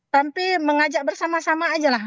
tapi mengajak bersama sama aja lah